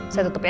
saya tutup ya